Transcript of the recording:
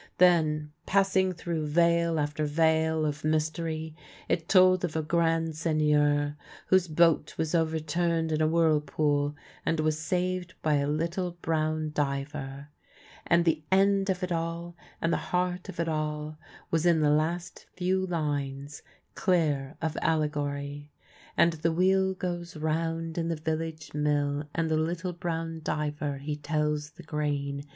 Then, passing through veil after veil of mystery, it told of a grand Seigneur whose boat was overturned in a whirlpool, and was saved by a little brown diver. PARPON THE DWARF 223 And the end of it all, and the heart of it all, was in the last few lines, clear of allegory :" And the wheel goes round in the village mill, And the little brown diver he tells the grain